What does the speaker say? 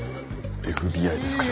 ＦＢＩですから。